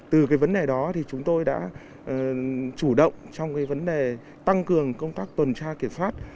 từ vấn đề đó chúng tôi đã chủ động trong vấn đề tăng cường công tác tuần tra kiểm soát